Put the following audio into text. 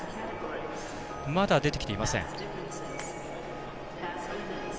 まだ出てきていません。